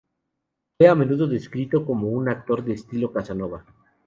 Fue a menudo descrito como un actor de estilo casanova.